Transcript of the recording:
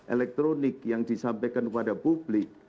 elektronik yang disampaikan kepada publik